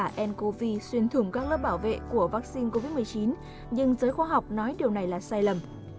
và ncov xuyên thủng các lớp bảo vệ của vaccine covid một mươi chín nhưng giới khoa học nói điều này là sai lầm